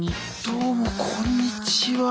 どうもこんにちは。